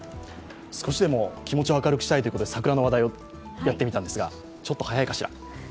少しでも気持ちを明るくしたいということで桜の話題をやってみたんですが、ちょっと早いかしら？